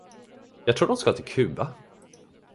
Jag tror de ska till Kuba.